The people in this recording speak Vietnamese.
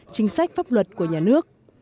chính sách pháp luật của nhà nước